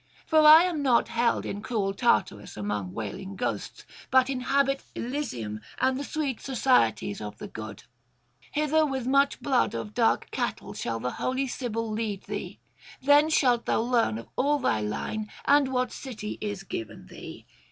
For I am not held in cruel Tartarus among wailing ghosts, but inhabit Elysium and the sweet societies of the good. Hither with much blood of dark cattle shall the holy Sibyl lead thee. Then shalt thou learn of all thy line, and what city is given thee.